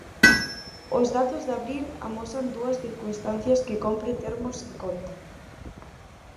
Os datos de abril amosan dúas circunstancias que cómpre termos en conta.